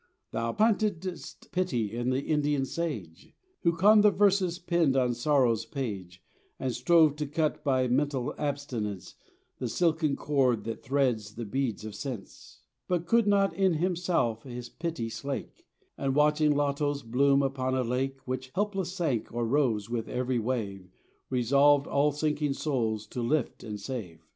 Thou plantedst pity in the Indian sage, Who conned the verses penned on sorrow's page, And strove to cut by mental abstinence The silken cord that threads the beads of sense But could not in himself his pity slake, And watching lotos blooms upon a lake, Which helpless sank or rose with every wave, Resolved all sinking souls to lift and save.